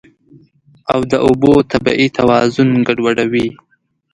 او د اوبو طبیعي توازن ګډوډوي.